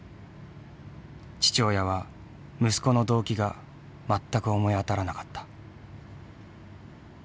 父親は息子の動機が全く思い当たらなかった。